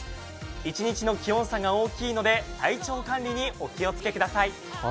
一日の気温差が大きいので体調管理にお気をつけください。